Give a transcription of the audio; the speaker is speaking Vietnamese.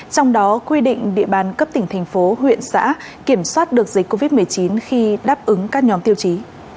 trong đó quy định địa bàn cấp tỉnh thành phố huyện xã kiểm soát được dịch covid một mươi chín khi đáp ứng các nhóm tiêu chí